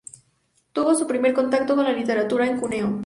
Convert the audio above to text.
Tuvo su primer contacto con la literatura en Cuneo.